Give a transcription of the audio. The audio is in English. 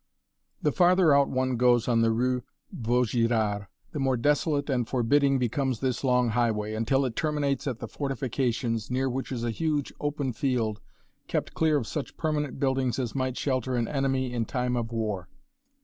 The farther out one goes on the rue Vaugirard, the more desolate and forbidding becomes this long highway, until it terminates at the fortifications, near which is a huge, open field, kept clear of such permanent buildings as might shelter an enemy in time of war.